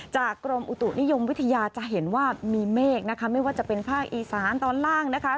กรมอุตุนิยมวิทยาจะเห็นว่ามีเมฆนะคะไม่ว่าจะเป็นภาคอีสานตอนล่างนะคะ